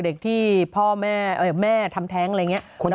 เด็กที่พ่อแม่แม่ทำแท้งอะไรอย่างนี้